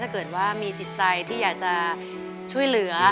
ถ้าเกิดว่ามีจิตใจที่อยากจะช่วยเหลือ